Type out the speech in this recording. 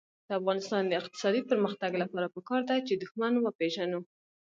د افغانستان د اقتصادي پرمختګ لپاره پکار ده چې دښمن وپېژنو.